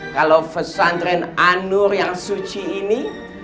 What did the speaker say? kalau pesantren anur yang suci ini